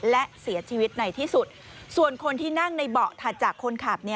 และเสียชีวิตในที่สุดส่วนคนที่นั่งในเบาะถัดจากคนขับ